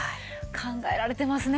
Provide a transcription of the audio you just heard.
考えられてますね。